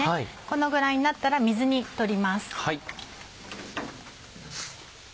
このぐらいになったら水に取ります。